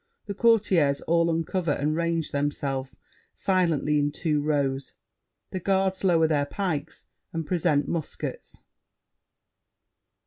The Courtiers all uncover and range themselves, silently, in two rows. The Guards lower their pikes and present muskets.